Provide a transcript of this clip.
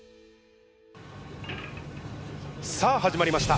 さあ始まりました。